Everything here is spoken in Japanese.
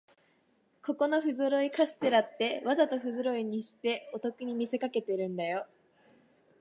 ここのふぞろいカステラって、わざとふぞろいにしてお得に見せかけてるんだよ